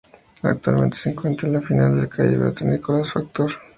Actualmente se encuentra al final de la calle Beato Nicolás Factor.